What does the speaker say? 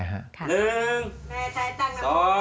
แม่ใช้ตังค์นะพ่อเงิน